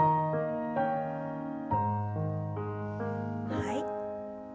はい。